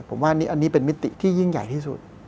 ผมว่าอันนี้เป็นมิติที่ยิ่งใหญ่ที่สุด